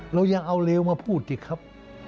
เรายังเอาเลวมาพูดสิครับ